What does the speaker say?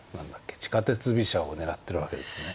地下鉄飛車を狙ってるわけですね。